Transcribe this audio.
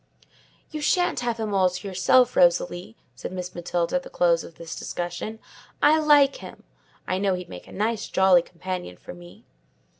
"You shan't have him all to yourself, Rosalie," said Miss Matilda at the close of this discussion; "I like him: I know he'd make a nice, jolly companion for me."